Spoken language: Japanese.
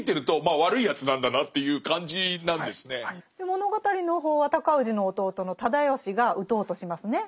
物語の方は尊氏の弟の直義が討とうとしますね。